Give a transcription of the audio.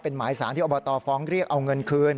เป็นหมายสารที่อบตฟ้องเรียกเอาเงินคืน